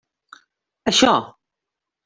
Això!